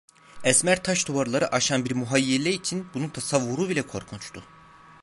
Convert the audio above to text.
Esmer taş duvarları aşan bir muhayyile için bunun tasavvuru bile korkunçtu.